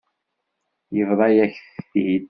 Yebḍa-yak-t-id.